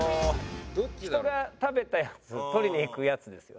人が食べたやつを取りに行くやつですよね？